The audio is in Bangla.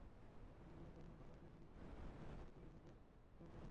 মঙ্গলের বায়ুমন্ডল আগে বেশ ঘন ছিল, তাই এর উপরিভাগে তরল পানি ছিল।